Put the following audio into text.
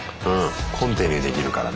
コンティニューできるからね。